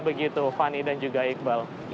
begitu fani dan juga iqbal